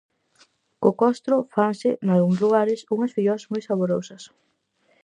Co costro fanse, nalgúns lugares, unhas filloas moi saborosas.